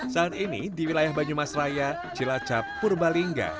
saat ini di wilayah banyumas raya cilacap purbalingga